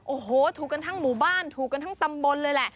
โอ้โหถูกกันทั้งหมู่บ้านถูกกันทั้งตำบลเลยแหละ